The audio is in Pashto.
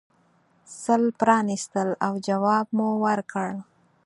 سل پرانیستل او جواب مو ورکړ.